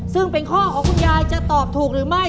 ซึ่งเป็นข้อของคุณยายจะตอบถูกหรือไม่